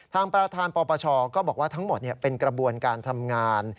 ทางประธานปปชก็บอกว่าทั้งหมดเป็นกระบวนการทำงาน